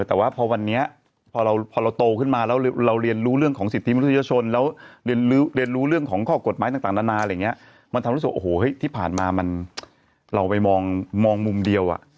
แต่ว่าพอวันนี้พอเราพอเราโตขึ้นมาแล้วเราเรียนรู้เรื่องของสิทธิมนุษยชนแล้วเรียนรู้เรื่องของข้อกฎหมายต่างนานาอะไรอย่างนี้มันทำรู้สึกโอ้โหที่ผ่านมามันเราไปมองมุมเดียว